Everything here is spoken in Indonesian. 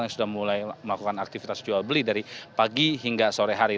yang sudah mulai melakukan aktivitas jual beli dari pagi hingga sore hari